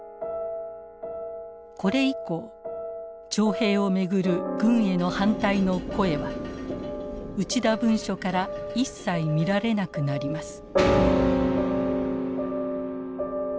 これ以降徴兵を巡る軍への反対の声は「内田文書」から一切見られなくなります。